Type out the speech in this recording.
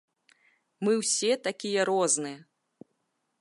Мы ўсе такія розныя.